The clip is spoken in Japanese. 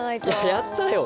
やったよ！